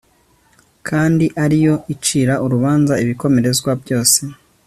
kandi ari yo icira urubanza ibikomerezwa byose